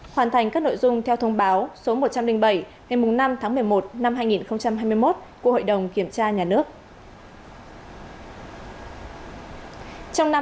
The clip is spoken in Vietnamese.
hoàn thành các nội dung theo thông báo số một trăm linh bảy ngày năm tháng một mươi một năm hai nghìn hai mươi một của hội đồng kiểm tra nhà nước